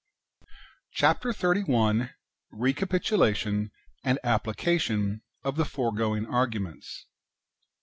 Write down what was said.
Chap. xxxi. — Recapitulation and application of the foregoing arguments, 1.